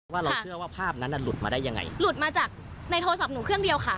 ว่าเราเชื่อว่าภาพนั้นน่ะหลุดมาได้ยังไงหลุดมาจากในโทรศัพท์หนูเครื่องเดียวค่ะ